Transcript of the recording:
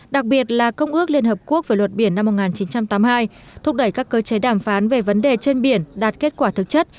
đặc biệt là công ước liên hợp quốc về luật biển năm một nghìn chín trăm tám mươi hai thúc đẩy các cơ chế đàm phán về vấn đề trên biển đạt kết quả thực chất